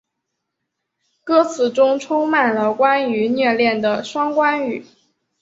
歌词中充满了关于虐恋的双关语。